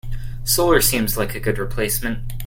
Solar seems like a good replacement.